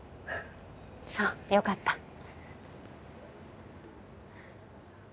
そうよかった。